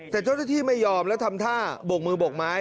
แต่เจ้าหน้าที่ไม่ยอมแล้วทำท่าบกมือโบกไม้